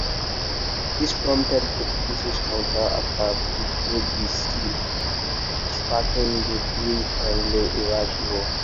This prompted a British counter-attack to break the siege, sparking the brief Anglo-Iraqi War.